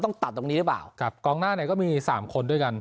ตัดตรงนี้หรือเปล่าครับกองหน้าเนี่ยก็มีสามคนด้วยกัน